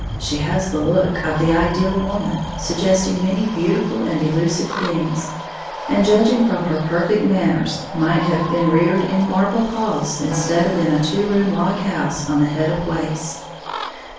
She has the look of the ideal woman, suggesting many beautiful and elusive things, and judging from her perfect manners, might have been reared in marble halls instead of in a two room log house on the head of Wace.